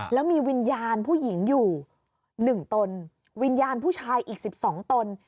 แล้วมีวิญญาณผู้หญิงอยู่๑ตนวิญญาณผู้ชายอีก๑๒ตน